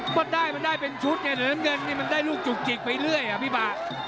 พอได้มันได้เป็นชุดแต่น้ำเงินมันได้ลูกจุกจิกไปเรื่อยอ่ะพี่ป่า